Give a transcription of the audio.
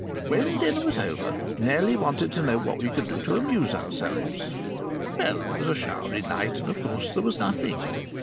When dinner was over Nellie wanted to know what we could do to amuse ourselves. Well, it was a showery night, and of course there was nothing.